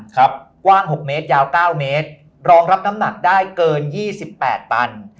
กว้าง๖เมตรยาว๙เมตรรองรับน้ำหนักได้เกิน๒๘ตัน